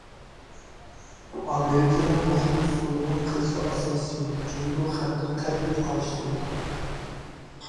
ئامېرىكىنىڭ بۇ خىل ئۇسۇلىنىڭ قىلچە ئاساسى يوق، جۇڭگو خەلقى قەتئىي قارشى تۇرىدۇ.